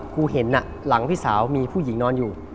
เห็นหลังพี่สาวมีผู้หญิงนอนอยู่